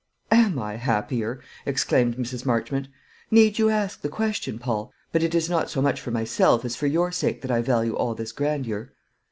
"Am I happier?" exclaimed Mrs. Marchmont. "Need you ask me the question, Paul? But it is not so much for myself as for your sake that I value all this grandeur."